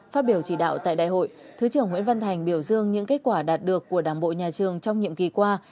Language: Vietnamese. phát biểu chỉ đạo tại đại hội thứ trưởng nguyễn văn thành biểu dương những kết quả đạt được của đảng bộ nhà trường trong nhiệm kỳ qua